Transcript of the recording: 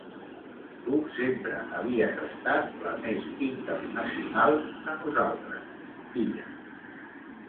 Tu sempre havies estat la més internacional de nosaltres, filla...